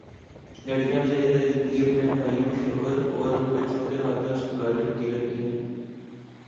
لڑکیاں بے چاری ساری زندگی اپنے بھائیوں، شوہر اور بچوں کے ہاتھوں ایکسپلائٹ ہوتی رہتی ہیں